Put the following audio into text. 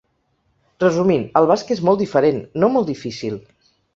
Resumint, el basc és molt diferent, no molt difícil!